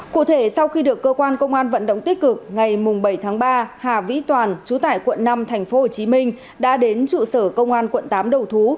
cụ thể sau khi được cơ quan công an vận động tích cực ngày bảy tháng ba hà vĩ toàn chú tại quận năm tp hcm đã đến trụ sở công an quận tám đầu thú